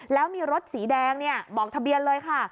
แล้วมีรถสีแดงบอกทะเบียนเลยค่ะ